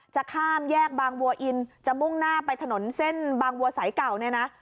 จะข้ามแยกบางวัวอินจะมุ่งหน้าไปถนนเส้นบางวัวสายเก่าเนี่ยนะ